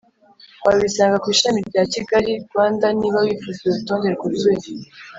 Wabisanga ku Ishami rya Kigali Rwanda Niba wifuza urutonde rwuzuye